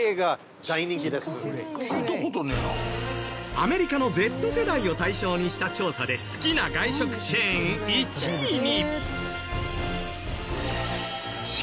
アメリカのＺ世代を対象にした調査で好きな外食チェーン１位に！